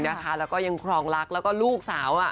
แล้วก็ยังครองรักแล้วก็ลูกสาว